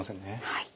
はい。